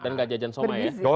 dan nggak jajan somai ya